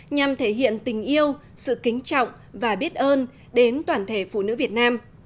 nhằm thể hiện tình yêu sự kính trọng và biết ơn đến toàn thể phụ nữ việt nam